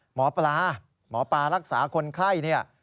หมอปลามอปลารักษาคนไข้